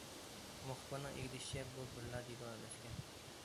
مۇخبىرنىڭ ئىگىلىشىچە، بۇ بىرلا دېلو ئەمەسكەن.